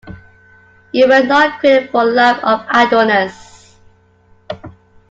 You were not created for a life of idleness.